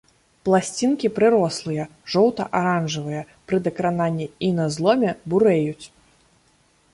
Пласцінкі прырослыя, жоўта-аранжавыя, пры дакрананні і на зломе бурэюць.